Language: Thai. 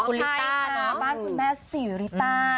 บ้านคุณแม่สิริตา